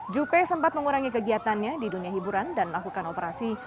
juppe sempat mengurangi kegiatannya di dunia hiburan dan melakukan operasi